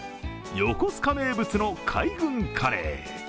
横須賀名物の海軍カレー。